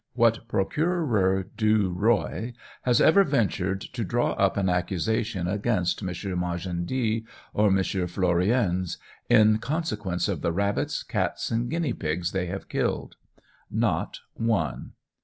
What procureur du roi has ever ventured to draw up an accusation against M. Magendie or M. Flourens, in consequence of the rabbits, cats, and guinea pigs they have killed? Not one.